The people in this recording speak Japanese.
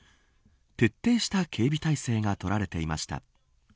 徹底した警備態勢が取られていました。